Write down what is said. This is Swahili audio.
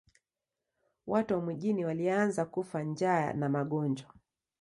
Watu wa mjini walianza kufa njaa na magonjwa.